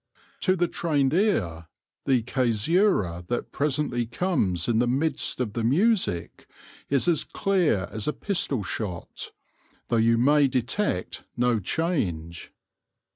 To the trailed ear the caesura that presently comes in the midst ji the music is as clear as a pistol shot, though you may detect no change.